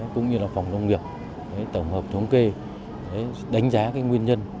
cũng như là phòng nông nghiệp tổng hợp thống kê đánh giá nguyên nhân